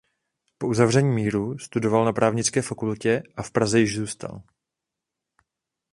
Po uzavření míru studoval na právnické fakultě a v Praze již zůstal.